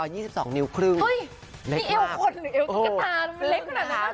เฮ้ยนี่เอวขนหรือเอวกระตาทำไมเล็กขนาดนั้น